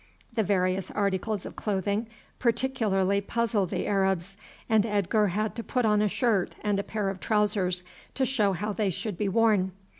The various articles of clothing particularly puzzled the Arabs, and Edgar had to put on a shirt and pair of trousers to show how they should be worn.